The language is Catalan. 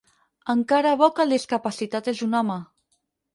Encara bo que el discapacitat és un home.